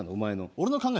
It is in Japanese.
俺の考え